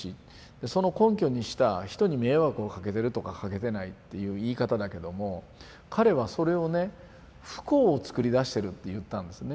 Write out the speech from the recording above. その根拠にした「人に迷惑をかけてる」とか「かけてない」っていう言い方だけども彼はそれをね「不幸を作り出してる」って言ったんですね。